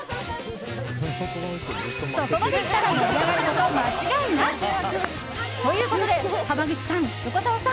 そこまでいったら盛り上がること間違いなし。ということで濱口さん、横澤さん